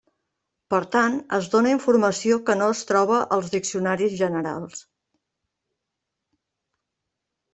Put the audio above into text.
Per tant, es dóna informació que no es troba als diccionaris generals.